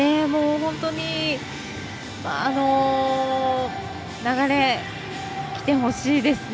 本当に、流れがきてほしいですね。